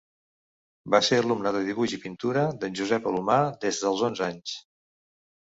Va ser alumna de dibuix i pintura d'en Josep Alumà des dels onze anys.